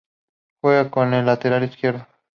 Juega como lateral izquierdo.